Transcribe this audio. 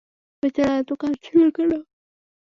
বেচারা এতো কাঁদছিল কেন?